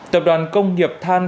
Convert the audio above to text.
tập đoàn công nghiệp than